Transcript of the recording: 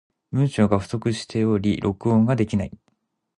文章が不足しており、録音ができない。